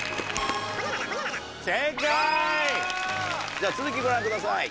じゃあ続きご覧ください。